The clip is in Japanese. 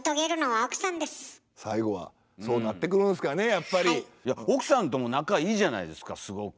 奥さんとも仲いいじゃないですかすごく。